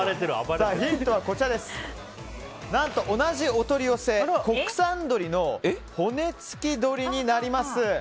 ヒントは、何と同じお取り寄せ国産鶏の骨付鶏になります。